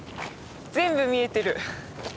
全部見えてる。